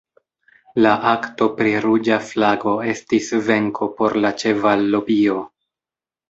La "Akto pri ruĝa flago" estis venko por la ĉeval-lobio.